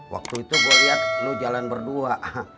waktu itu gua liat lo jalan berdua